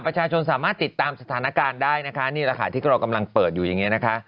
ประชาชนสามารถติดตามสถานการณ์ได้นะคะนี่แหละค่ะที่เรากำลังเปิดอยู่อย่างนี้นะคะ